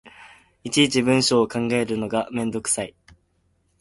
いちいち文章を考えるのがめんどくさい